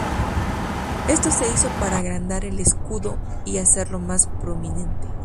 Esto se hizo para agrandar el escudo y hacerlo más prominente.